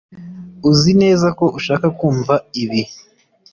uzi neza ko ushaka kumva ibi